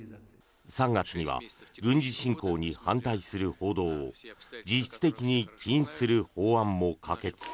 ３月には軍事侵攻に反対する報道を実質的に禁止する法案も可決。